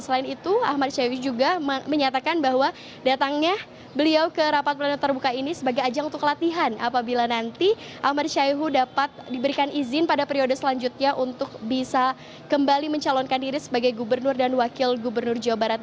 selain itu ahmad syahi juga menyatakan bahwa datangnya beliau ke rapat pleno terbuka ini sebagai ajang untuk latihan apabila nanti ahmad syaihu dapat diberikan izin pada periode selanjutnya untuk bisa kembali mencalonkan diri sebagai gubernur dan wakil gubernur jawa barat